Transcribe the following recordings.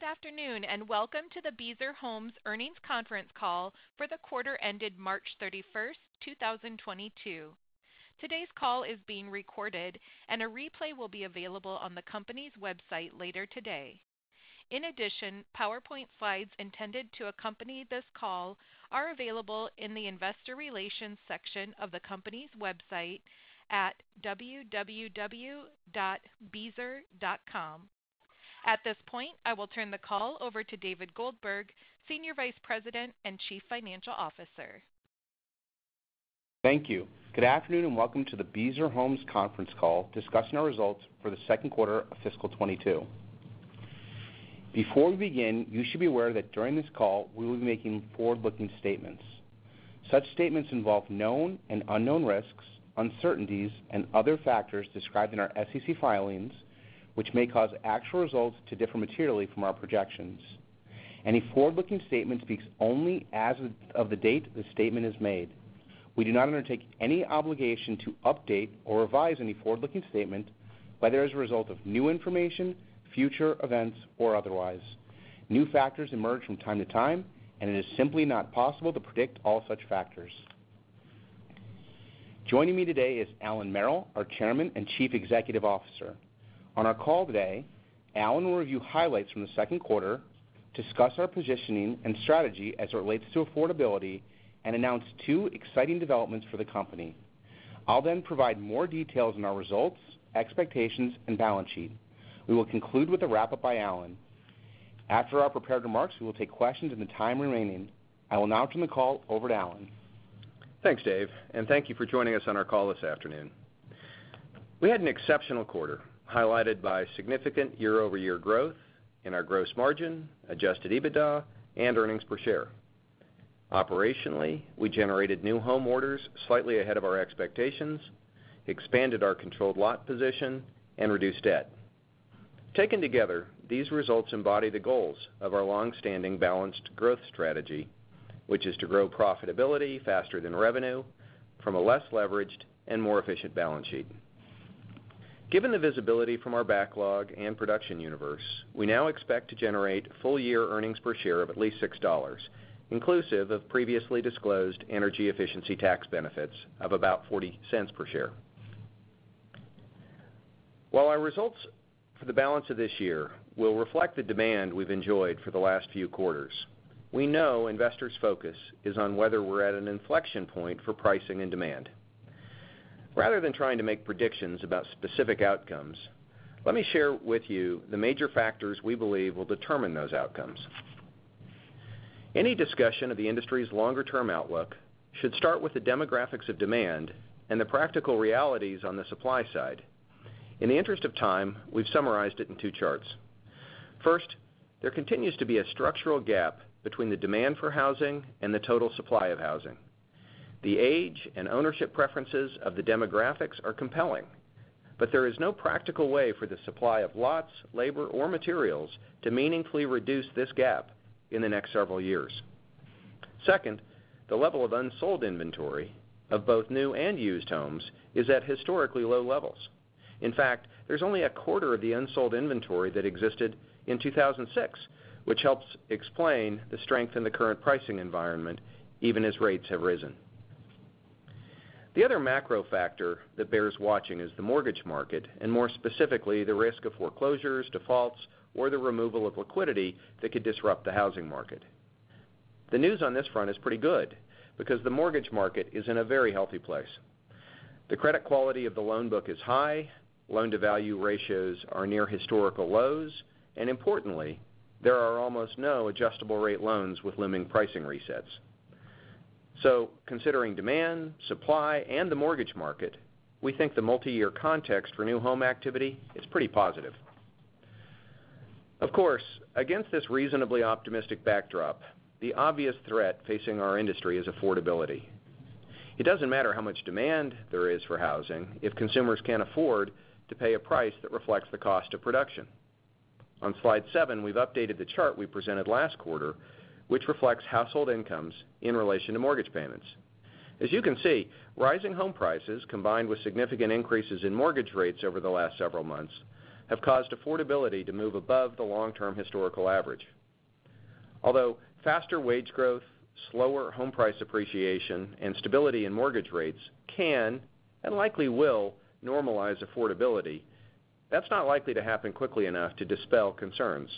Good afternoon, and welcome to the Beazer Homes Earnings Conference Call for the quarter ended March 31, 2022. Today's call is being recorded, and a replay will be available on the company's website later today. In addition, PowerPoint slides intended to accompany this call are available in the Investor Relations section of the company's website at www.beazer.com. At this point, I will turn the call over to David Goldberg, Senior Vice President and Chief Financial Officer. Thank you. Good afternoon, and welcome to the Beazer Homes conference call discussing our results for the Q2 of FY2022. Before we begin, you should be aware that during this call, we will be making forward-looking statements. Such statements involve known and unknown risks, uncertainties, and other factors described in our SEC filings, which may cause actual results to differ materially from our projections. Any forward-looking statement speaks only as of the date the statement is made. We do not undertake any obligation to update or revise any forward-looking statement, whether as a result of new information, future events, or otherwise. New factors emerge from time to time, and it is simply not possible to predict all such factors. Joining me today is Allan Merrill, our Chairman and Chief Executive Officer. On our call today, Allan will review highlights from the second quarter, discuss our positioning and strategy as it relates to affordability, and announce two exciting developments for the company. I'll then provide more details on our results, expectations, and balance sheet. We will conclude with a wrap-up by Allan. After our prepared remarks, we will take questions in the time remaining. I will now turn the call over to Allan. Thanks, Dave, and thank you for joining us on our call this afternoon. We had an exceptional quarter, highlighted by significant year-over-year growth in our gross margin, adjusted EBITDA, and earnings per share. Operationally, we generated new home orders slightly ahead of our expectations, expanded our controlled lot position, and reduced debt. Taken together, these results embody the goals of our long-standing balanced growth strategy, which is to grow profitability faster than revenue from a less leveraged and more efficient balance sheet. Given the visibility from our backlog and production universe, we now expect to generate full-year earnings per share of at least $6, inclusive of previously disclosed energy efficiency tax benefits of about $0.40 per share. While our results for the balance of this year will reflect the demand we've enjoyed for the last few quarters, we know investors' focus is on whether we're at an inflection point for pricing and demand. Rather than trying to make predictions about specific outcomes, let me share with you the major factors we believe will determine those outcomes. Any discussion of the industry's longer-term outlook should start with the demographics of demand and the practical realities on the supply side. In the interest of time, we've summarized it in two charts. First, there continues to be a structural gap between the demand for housing and the total supply of housing. The age and ownership preferences of the demographics are compelling, but there is no practical way for the supply of lots, labor, or materials to meaningfully reduce this gap in the next several years. Second, the level of unsold inventory of both new and used homes is at historically low levels. In fact, there's only a quarter of the unsold inventory that existed in 2006, which helps explain the strength in the current pricing environment, even as rates have risen. The other macro factor that bears watching is the mortgage market, and more specifically, the risk of foreclosures, defaults, or the removal of liquidity that could disrupt the housing market. The news on this front is pretty good because the mortgage market is in a very healthy place. The credit quality of the loan book is high, loan-to-value ratios are near historical lows, and importantly, there are almost no adjustable rate loans with looming pricing resets. Considering demand, supply, and the mortgage market, we think the multi-year context for new home activity is pretty positive. Of course, against this reasonably optimistic backdrop, the obvious threat facing our industry is affordability. It doesn't matter how much demand there is for housing if consumers can't afford to pay a price that reflects the cost of production. On slide seven, we've updated the chart we presented last quarter, which reflects household incomes in relation to mortgage payments. As you can see, rising home prices combined with significant increases in mortgage rates over the last several months have caused affordability to move above the long-term historical average. Although faster wage growth, slower home price appreciation, and stability in mortgage rates can and likely will normalize affordability, that's not likely to happen quickly enough to dispel concerns.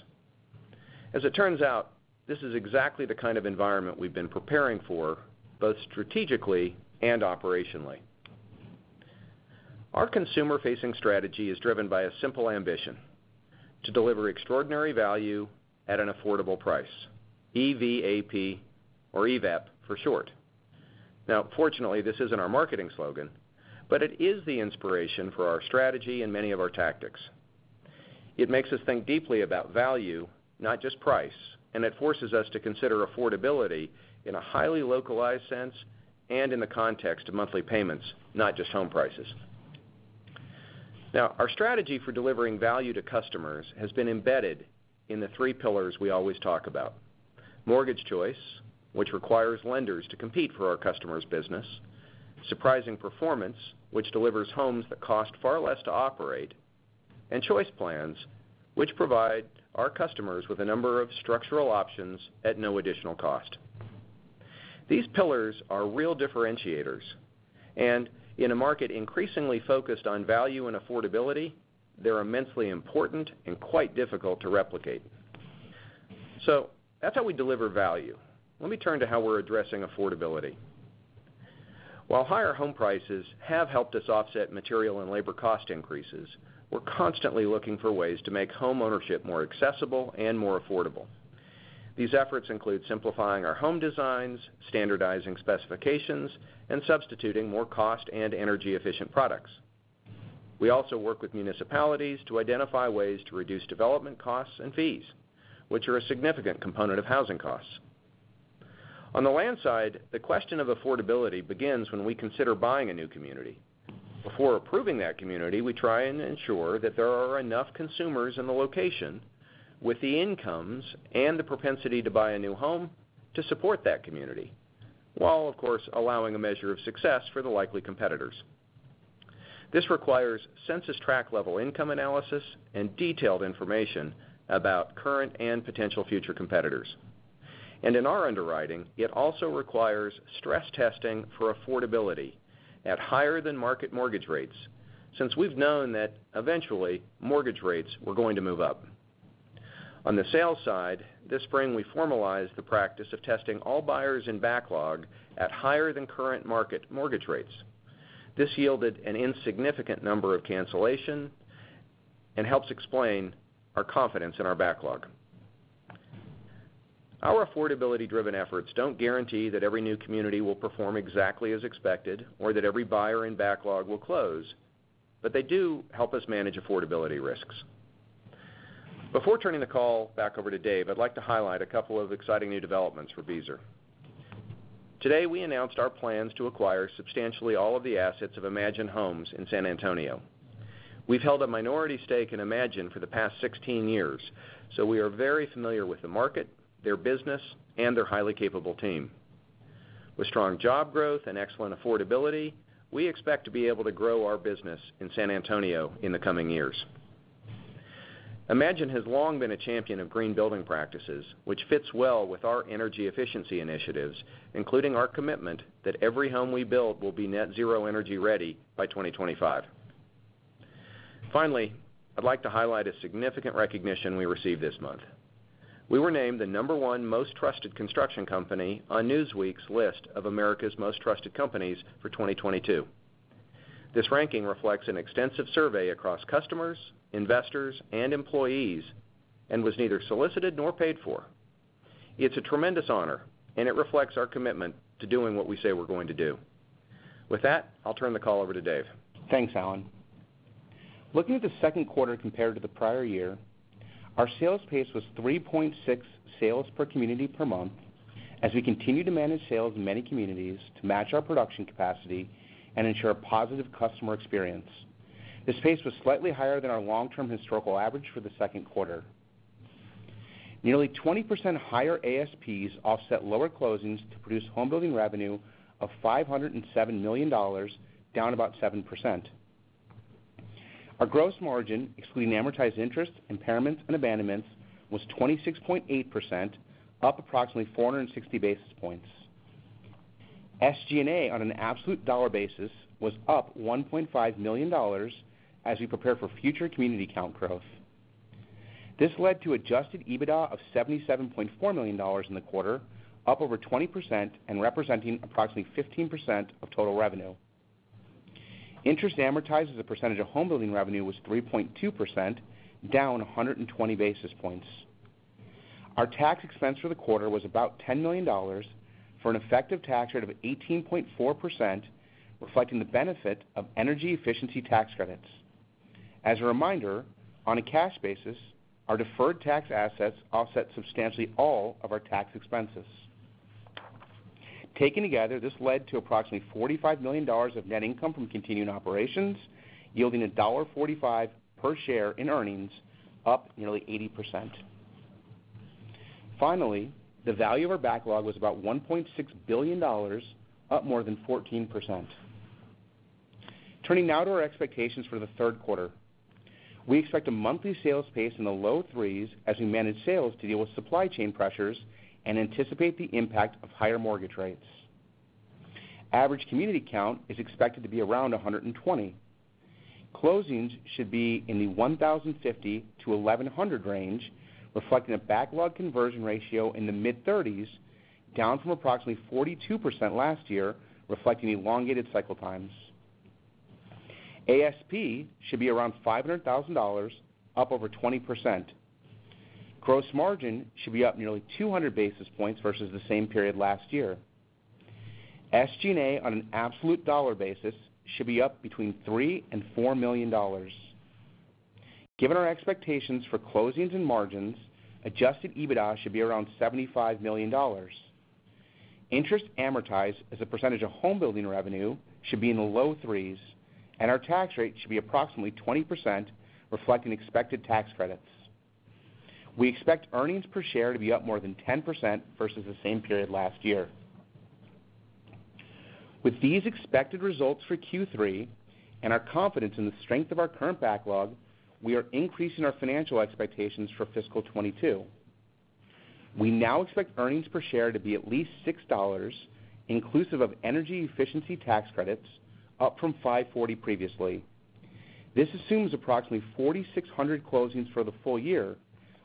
As it turns out, this is exactly the kind of environment we've been preparing for, both strategically and operationally. Our consumer-facing strategy is driven by a simple ambition, to deliver extraordinary value at an affordable price, E-V-A-P or EVAP for short. Now, fortunately, this isn't our marketing slogan, but it is the inspiration for our strategy and many of our tactics. It makes us think deeply about value, not just price, and it forces us to consider affordability in a highly localized sense and in the context of monthly payments, not just home prices. Now, our strategy for delivering value to customers has been embedded in the three pillars we always talk about. Mortgage Choice, which requires lenders to compete for our customers' business, Surprising Performance, which delivers homes that cost far less to operate, and Choice Plans®, which provide our customers with a number of structural options at no additional cost. These pillars are real differentiators, and in a market increasingly focused on value and affordability, they're immensely important and quite difficult to replicate. That's how we deliver value. Let me turn to how we're addressing affordability. While higher home prices have helped us offset material and labor cost increases, we're constantly looking for ways to make home ownership more accessible and more affordable. These efforts include simplifying our home designs, standardizing specifications, and substituting more cost and energy-efficient products. We also work with municipalities to identify ways to reduce development costs and fees, which are a significant component of housing costs. On the land side, the question of affordability begins when we consider buying a new community. Before approving that community, we try and ensure that there are enough consumers in the location with the incomes and the propensity to buy a new home to support that community, while of course, allowing a measure of success for the likely competitors. This requires census tract level income analysis and detailed information about current and potential future competitors. In our underwriting, it also requires stress testing for affordability at higher than market mortgage rates since we've known that eventually mortgage rates were going to move up. On the sales side, this spring, we formalized the practice of testing all buyers in backlog at higher than current market mortgage rates. This yielded an insignificant number of cancellations and helps explain our confidence in our backlog. Our affordability-driven efforts don't guarantee that every new community will perform exactly as expected or that every buyer in backlog will close, but they do help us manage affordability risks. Before turning the call back over to Dave, I'd like to highlight a couple of exciting new developments for Beazer. Today, we announced our plans to acquire substantially all of the assets of Imagine Homes in San Antonio. We've held a minority stake in Imagine for the past 16 years, so we are very familiar with the market, their business, and their highly capable team. With strong job growth and excellent affordability, we expect to be able to grow our business in San Antonio in the coming years. Imagine Homes has long been a champion of green building practices, which fits well with our energy efficiency initiatives, including our commitment that every home we build will be Net Zero Energy Ready by 2025. Finally, I'd like to highlight a significant recognition we received this month. We were named the number one most trusted construction company on Newsweek's list of America's most trusted companies for 2022. This ranking reflects an extensive survey across customers, investors, and employees and was neither solicited nor paid for. It's a tremendous honor, and it reflects our commitment to doing what we say we're going to do. With that, I'll turn the call over to Dave. Thanks, Allan. Looking at the second quarter compared to the prior year, our sales pace was 3.6 sales per community per month as we continue to manage sales in many communities to match our production capacity and ensure a positive customer experience. This pace was slightly higher than our long-term historical average for the second quarter. Nearly 20% higher ASPs offset lower closings to produce home building revenue of $507 million, down about 7%. Our gross margin, excluding amortized interest, impairments, and abandonments, was 26.8%, up approximately 460 basis points. SG&A on an absolute dollar basis was up $1.5 million as we prepare for future community count growth. This led to adjusted EBITDA of $77.4 million in the quarter, up over 20% and representing approximately 15% of total revenue. Interest amortized as a percentage of home building revenue was 3.2%, down 120 basis points. Our tax expense for the quarter was about $10 million for an effective tax rate of 18.4%, reflecting the benefit of energy efficiency tax credits. As a reminder, on a cash basis, our deferred tax assets offset substantially all of our tax expenses. Taken together, this led to approximately $45 million of net income from continuing operations, yielding $1.45 per share in earnings, up nearly 80%. Finally, the value of our backlog was about $1.6 billion, up more than 14%. Turning now to our expectations for the Q3. We expect a monthly sales pace in the low 3s as we manage sales to deal with supply chain pressures and anticipate the impact of higher mortgage rates. Average community count is expected to be around 120. Closings should be in the 1,0501 to 1,100 range, reflecting a backlog conversion ratio in the mid-30%, down from approximately 42% last year, reflecting elongated cycle times. ASP should be around $500,000, up over 20%. Gross margin should be up nearly 200 basis points versus the same period last year. SG&A on an absolute dollar basis should be up between $3 million and $4 million. Given our expectations for closings and margins, adjusted EBITDA should be around $75 million. Interest amortized as a percentage of home building revenue should be in the low 3%, and our tax rate should be approximately 20%, reflecting expected tax credits. We expect earnings per share to be up more than 10% versus the same period last year. With these expected results for Q3 and our confidence in the strength of our current backlog, we are increasing our financial expectations for FY2022. We now expect earnings per share to be at least $6 inclusive of energy efficiency tax credits up from $5.40 previously. This assumes approximately 4,600 closings for the full year,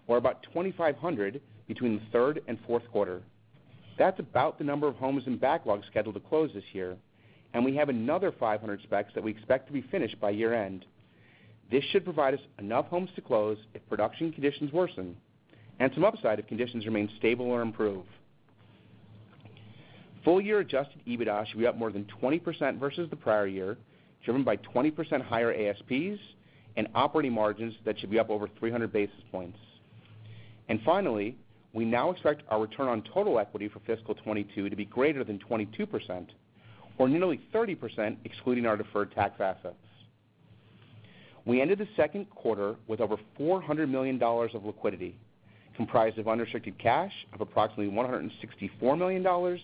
or about 2,500 between the Q3 and Q4. That's about the number of homes and backlogs scheduled to close this year, and we have another 500 specs that we expect to be finished by year-end. This should provide us enough homes to close if production conditions worsen and some upside if conditions remain stable or improve. Full year adjusted EBITDA should be up more than 20% versus the prior year, driven by 20% higher ASPs and operating margins that should be up over 300 basis points. Finally, we now expect our return on total equity for fiscal 2022 to be greater than 22%, or nearly 30% excluding our deferred tax assets. We ended the second quarter with over $400 million of liquidity, comprised of unrestricted cash of approximately $164 million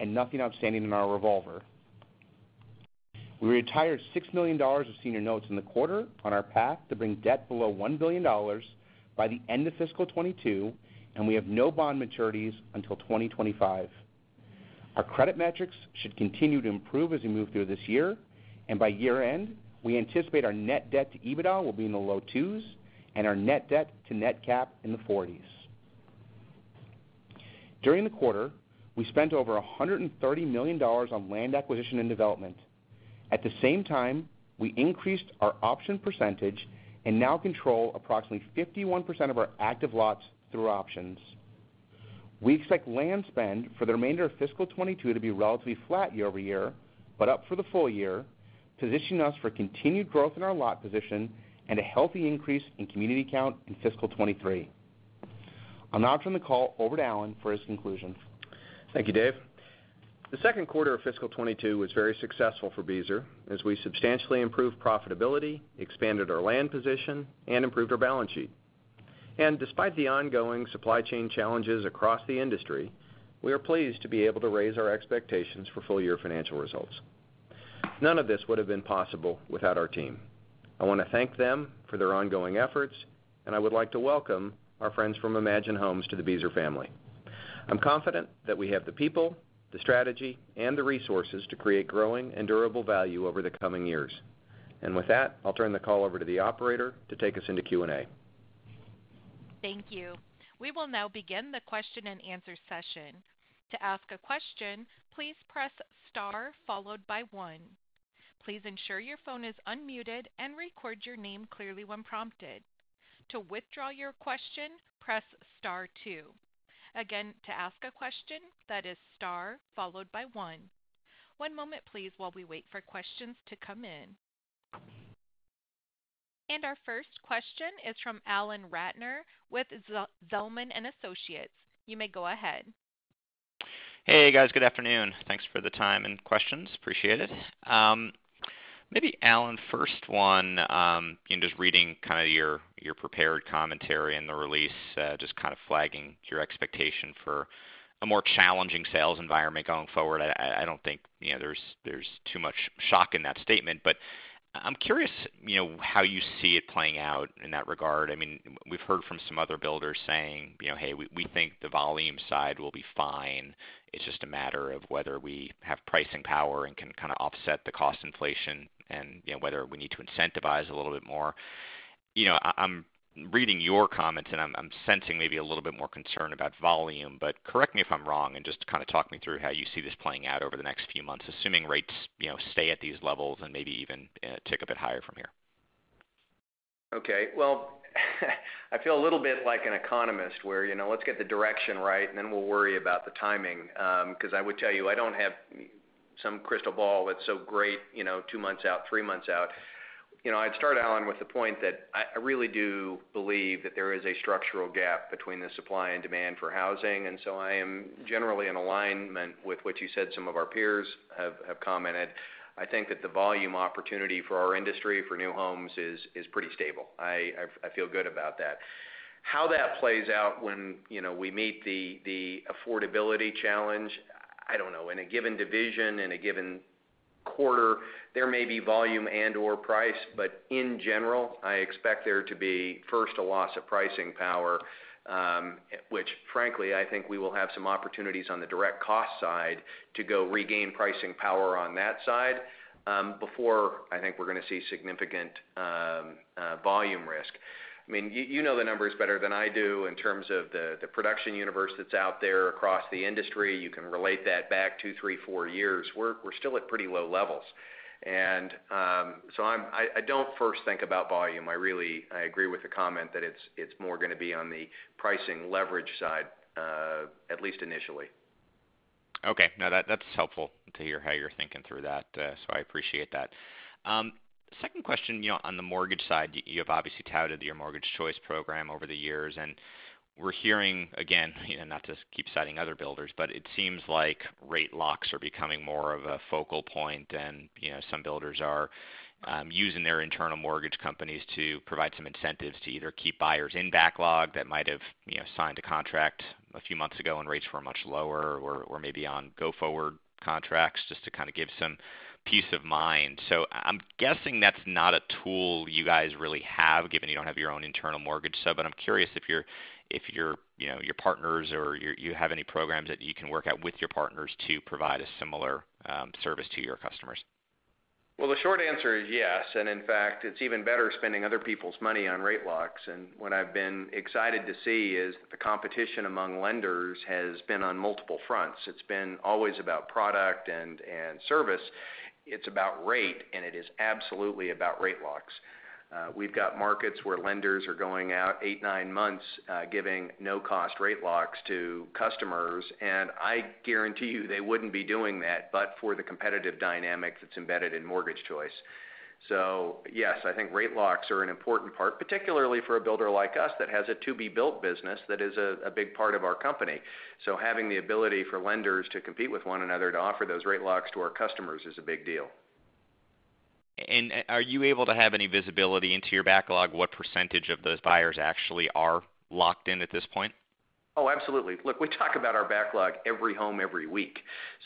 and nothing outstanding in our revolver. We retired $6 million of senior notes in the quarter on our path to bring debt below $1 billion by the end of fiscal 2022, and we have no bond maturities until 2025. Our credit metrics should continue to improve as we move through this year, and by year-end, we anticipate our net debt to EBITDA will be in the low 2s and our net debt to net cap in the 40s. During the quarter, we spent over $130 million on land acquisition and development. At the same time, we increased our option percentage and now control approximately 51% of our active lots through options. We expect land spend for the remainder of FY2022 to be relatively flat year-over-year, but up for the full-year, positioning us for continued growth in our lot position and a healthy increase in community count in FY2023. I'll now turn the call over to Alan for his conclusion. Thank you, Dave. The Q2 of FY2022 was very successful for Beazer as we substantially improved profitability, expanded our land position, and improved our balance sheet. Despite the ongoing supply chain challenges across the industry, we are pleased to be able to raise our expectations for full-year financial results. None of this would have been possible without our team. I want to thank them for their ongoing efforts, and I would like to welcome our friends from Imagine Homes to the Beazer family. I'm confident that we have the people, the strategy, and the resources to create growing and durable value over the coming years. With that, I'll turn the call over to the operator to take us into Q&A. Thank you. We will now begin the question-and-answer session. To ask a question, please press star followed by one. Please ensure your phone is unmuted and record your name clearly when prompted. To withdraw your question, press star two. Again, to ask a question, that is star followed by one. One moment, please, while we wait for questions to come in. Our first question is from Alan Ratner with Zelman & Associates. You may go ahead. Hey, guys. Good afternoon. Thanks for the time and questions. Appreciate it. Maybe Alan, first one, just reading kind of your prepared commentary in the release, just kind of flagging your expectation for a more challenging sales environment going forward. I don't think, there's too much shock in that statement, but I'm curious, how you see it playing out in that regard. I mean, we've heard from some other builders saying, "Hey, we think the volume side will be fine. It's just a matter of whether we have pricing power and can kind of offset the cost inflation and, you know, whether we need to incentivize a little bit more." I'm reading your comments, and I'm sensing maybe a little bit more concern about volume, but correct me if I'm wrong and just kind of talk me through how you see this playing out over the next few months, assuming rates, stay at these levels and maybe even tick a bit higher from here. Okay. Well, I feel a little bit like an economist where, let's get the direction right, and then we'll worry about the timing. 'Cause I would tell you, I don't have some crystal ball that's so great, two months out, three months out. I'd start, Alan, with the point that I really do believe that there is a structural gap between the supply and demand for housing. I am generally in alignment with what you said some of our peers have commented. I think that the volume opportunity for our industry for new homes is pretty stable. I feel good about that. How that plays out when, we meet the affordability challenge, I don't know. In a given division, in a given quarter, there may be volume and/or price. In general, I expect there to be, first, a loss of pricing power, which frankly, I think we will have some opportunities on the direct cost side to go regain pricing power on that side, before I think we're gonna see significant volume risk. I mean, you know the numbers better than I do in terms of the production universe that's out there across the industry. You can relate that back two to four years. We're still at pretty low levels. I don't first think about volume. I really agree with the comment that it's more gonna be on the pricing leverage side, at least initially. Okay. No, that's helpful to hear how you're thinking through that, so I appreciate that. Second question, on the mortgage side, you've obviously touted your Mortgage Choice program over the years, and we're hearing again, not to keep citing other builders, but it seems like rate locks are becoming more of a focal point and, some builders are using their internal mortgage companies to provide some incentives to either keep buyers in backlog that might have, you know, signed a contract a few months ago when rates were much lower or maybe on go-forward contracts just to kind of give some peace of mind. So I'm guessing that's not a tool you guys really have, given you don't have your own internal mortgage sub. I'm curious if your partners or you have any programs that you can work out with your partners to provide a similar service to your customers? Well, the short answer is yes. In fact, it's even better spending other people's money on rate locks. What I've been excited to see is the competition among lenders has been on multiple fronts. It's been always about product and service. It's about rate, and it is absolutely about rate locks. We've got markets where lenders are going out eight to nine months, giving no-cost rate locks to customers, and I guarantee you, they wouldn't be doing that but for the competitive dynamic that's embedded in Mortgage Choice. Yes, I think rate locks are an important part, particularly for a builder like us that has a to-be-built business that is a big part of our company. Having the ability for lenders to compete with one another to offer those rate locks to our customers is a big deal. Are you able to have any visibility into your backlog, what percentage of those buyers actually are locked in at this point? Oh, absolutely. Look, we talk about our backlog every hour, every week.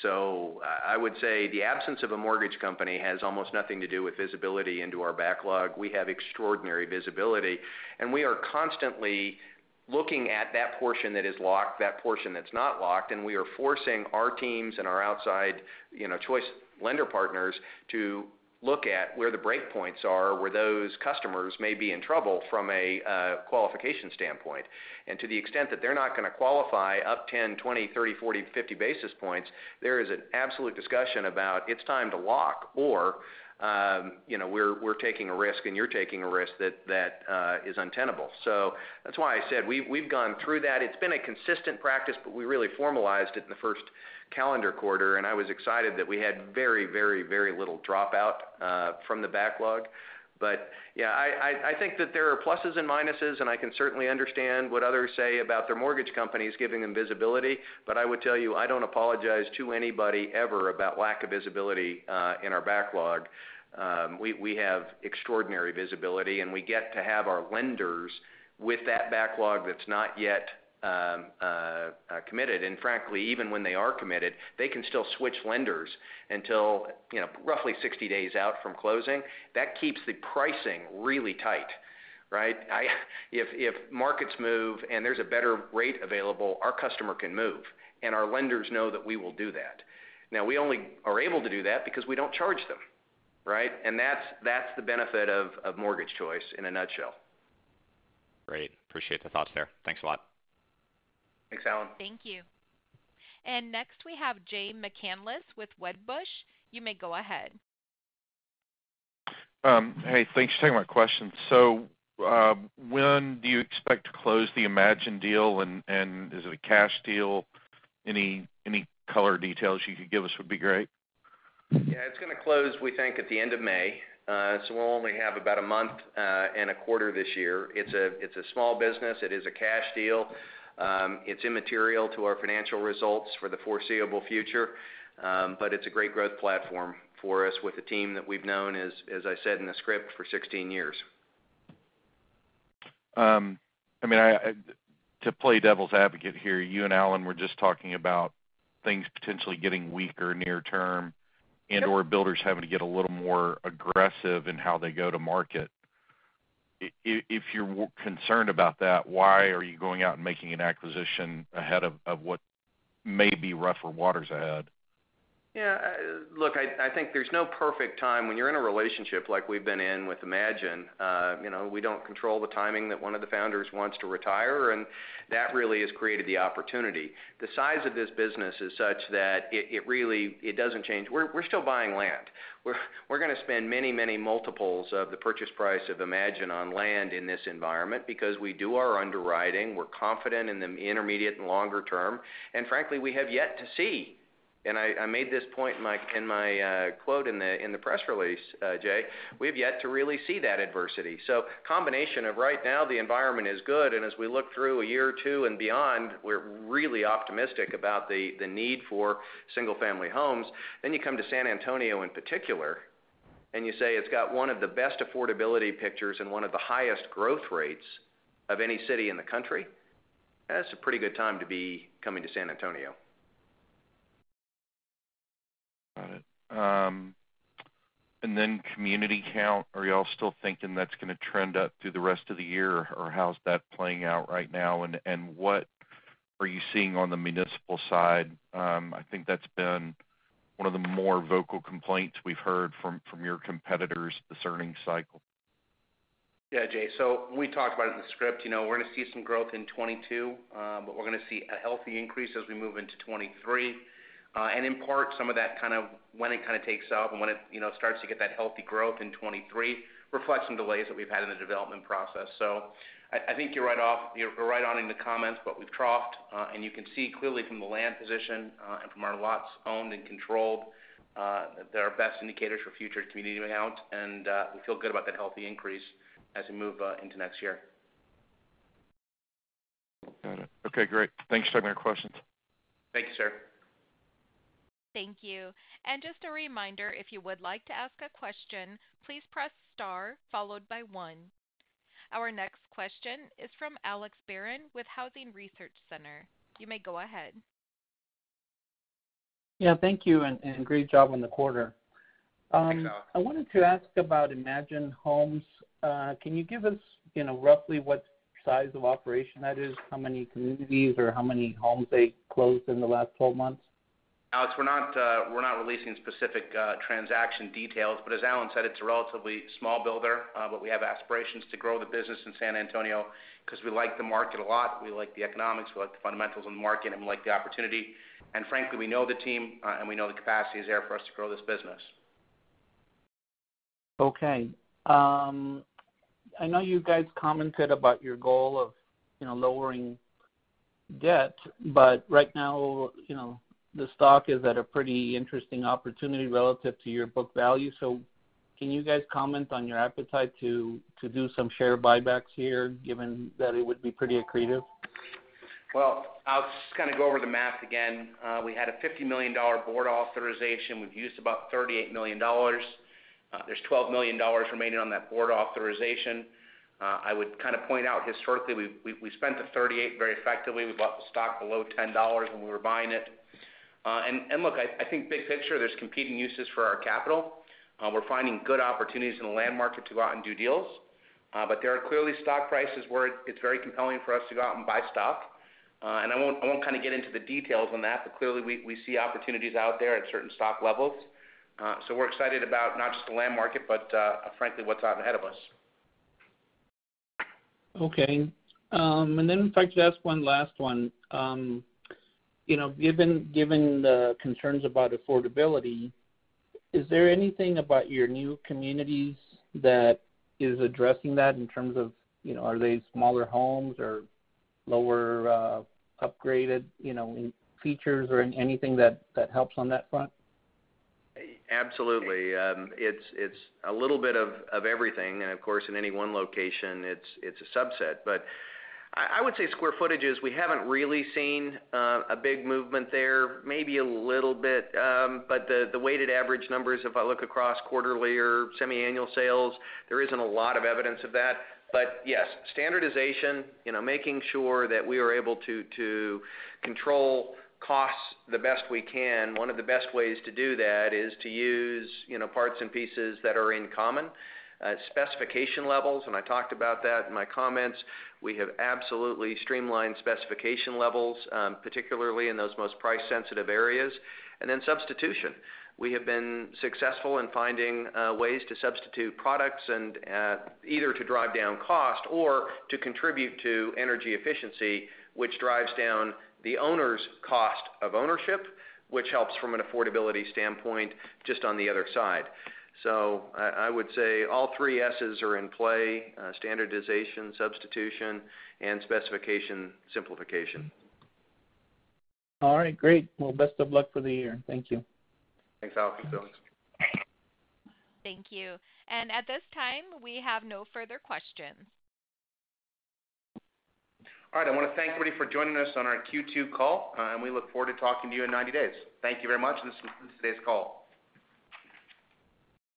I would say the absence of a mortgage company has almost nothing to do with visibility into our backlog. We have extraordinary visibility, and we are constantly looking at that portion that is locked, that portion that's not locked, and we are forcing our teams and our outside, you know, Choice Lender partners to look at where the breakpoints are, where those customers may be in trouble from a qualification standpoint. To the extent that they're not gonna qualify up 10 basis points to 50 basis points, there is an absolute discussion about it's time to lock or, you know, we're taking a risk and you're taking a risk that that is untenable. That's why I said we've gone through that. It's been a consistent practice, but we really formalized it in the first calendar quarter, and I was excited that we had very little dropout from the backlog. Yeah, I think that there are pluses and minuses, and I can certainly understand what others say about their mortgage companies giving them visibility. I would tell you, I don't apologize to anybody ever about lack of visibility in our backlog. We have extraordinary visibility, and we get to have our lenders with that backlog that's not yet committed. Frankly, even when they are committed, they can still switch lenders until you know, roughly 60 days out from closing. That keeps the pricing really tight, right? If markets move and there's a better rate available, our customer can move, and our lenders know that we will do that. Now we only are able to do that because we don't charge them, right? That's the benefit of Mortgage Choice in a nutshell. Great. Appreciate the thoughts there. Thanks a lot. Thanks, Alan. Thank you. Next we have Jay McCanless with Wedbush. You may go ahead. Hey, thanks for taking my question. When do you expect to close the Imagine deal, and is it a cash deal? Any color details you could give us would be great. Yeah, it's gonna close, we think, at the end of May. We'll only have about a month and a quarter this year. It's a small business. It is a cash deal. It's immaterial to our financial results for the foreseeable future, but it's a great growth platform for us with a team that we've known, as I said in the script, for 16 years. I mean, to play devil's advocate here, you and Alan were just talking about things potentially getting weaker near term and/or builders having to get a little more aggressive in how they go to market. If you're concerned about that, why are you going out and making an acquisition ahead of what may be rougher waters ahead? Yeah, look, I think there's no perfect time when you're in a relationship like we've been in with Imagine. You know, we don't control the timing that one of the founders wants to retire, and that really has created the opportunity. The size of this business is such that it really doesn't change. We're still buying land. We're gonna spend many multiples of the purchase price of Imagine on land in this environment because we do our underwriting. We're confident in the intermediate and longer term. Frankly, we have yet to see, and I made this point in my quote in the press release, Jay, we've yet to really see that adversity. Combination of right now the environment is good, and as we look through a year or two and beyond, we're really optimistic about the need for single-family homes. You come to San Antonio in particular, and you say it's got one of the best affordability pictures and one of the highest growth rates of any city in the country, that's a pretty good time to be coming to San Antonio. Got it. And then community count. Are you all still thinking that's gonna trend up through the rest of the year, or how's that playing out right now? And what are you seeing on the municipal side? I think that's been one of the more vocal complaints we've heard from your competitors this earnings cycle. Yeah, Jay. We talked about it in the script. You know, we're gonna see some growth in 2022, but we're gonna see a healthy increase as we move into 2023. In part, some of that kind of when it kind of takes up and when it, starts to get that healthy growth in 2023 reflects some delays that we've had in the development process. I think you're right on in the comments, but we've troughed, and you can see clearly from the land position, and from our lots owned and controlled, that they're our best indicators for future community count, and we feel good about that healthy increase as we move into next year. Okay, great. Thanks for taking our questions. Thank you, sir. Thank you. Just a reminder, if you would like to ask a question, please press star followed by one. Our next question is from Alex Barron with Housing Research Center. You may go ahead. Yeah, thank you and great job on the quarter. Thanks, Alex. I wanted to ask about Imagine Homes. Can you give us, roughly what size of operation that is? How many communities or how many homes they closed in the last 12 months? Alex, we're not releasing specific transaction details, but as Alan said, it's a relatively small builder. We have aspirations to grow the business in San Antonio because we like the market a lot. We like the economics, we like the fundamentals in the market and we like the opportunity. Frankly, we know the team, and we know the capacity is there for us to grow this business. Okay. I know you guys commented about your goal of lowering debt, but right now, the stock is at a pretty interesting opportunity relative to your book value. Can you guys comment on your appetite to do some share buybacks here, given that it would be pretty accretive? Well, Alex, just gonna go over the math again. We had a $50 million board authorization. We've used about $38 million. There's $12 million remaining on that board authorization. I would kinda point out historically, we spent the $38 million very effectively. We bought the stock below $10 when we were buying it. Look, I think big picture, there's competing uses for our capital. We're finding good opportunities in the land market to go out and do deals. There are clearly stock prices where it's very compelling for us to go out and buy stock. I won't kinda get into the details on that, but clearly we see opportunities out there at certain stock levels. We're excited about not just the land market, but frankly, what's out ahead of us. Okay. If I could ask one last one. Given the concerns about affordability, is there anything about your new communities that is addressing that in terms of, are they smaller homes or lower upgraded, features or anything that helps on that front? Absolutely. It's a little bit of everything. Of course, in any one location, it's a subset. I would say square footages, we haven't really seen a big movement there. Maybe a little bit, but the weighted average numbers, if I look across quarterly or semi-annual sales, there isn't a lot of evidence of that. Yes, standardization, you know, making sure that we are able to control costs the best we can. One of the best ways to do that is to use, parts and pieces that are in common. Specification levels, and I talked about that in my comments. We have absolutely streamlined specification levels, particularly in those most price-sensitive areas. Then substitution. We have been successful in finding ways to substitute products and either to drive down cost or to contribute to energy efficiency, which drives down the owner's cost of ownership, which helps from an affordability standpoint, just on the other side. I would say all three S's are in play: standardization, substitution, and specification simplification. All right, great. Well, best of luck for the year. Thank you. Thanks, Alex. Thanks so much. Thank you. At this time, we have no further questions. All right. I wanna thank everybody for joining us on our Q2 call, and we look forward to talking to you in 90 days. Thank you very much. This concludes today's call.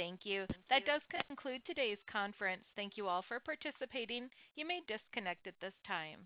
Thank you. That does conclude today's conference. Thank you all for participating. You may disconnect at this time.